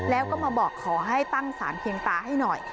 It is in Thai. แล้วก็มาบอกขอให้ตั้งสารเพียงตาให้หน่อย